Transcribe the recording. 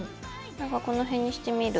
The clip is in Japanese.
何かこの辺にしてみる。